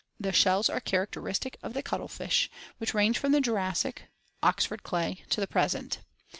These shells are characteristic of the cuttle fish, which range from the Jurassic (Oxford Clay) to the present.